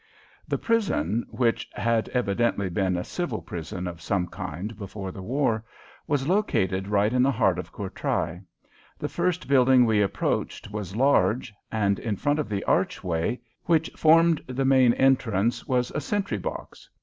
The prison, which had evidently been a civil prison of some kind before the war, was located right in the heart of Courtrai. The first building we approached was large, and in front of the archway, which formed the main entrance, was a sentry box.